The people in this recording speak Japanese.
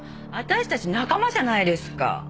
私たち仲間じゃないですか。